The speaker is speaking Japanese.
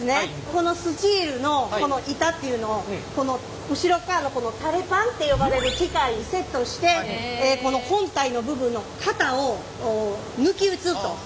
このスチールのこの板っていうのを後ろっかわのこのタレパンって呼ばれる機械にセットしてこの本体の部分の型を抜き打つと。